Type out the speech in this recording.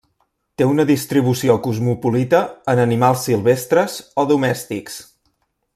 Té una distribució cosmopolita en animals silvestres o domèstics.